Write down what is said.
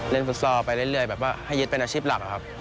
ฟุตซอลไปเรื่อยแบบว่าให้ยึดเป็นอาชีพหลักอะครับ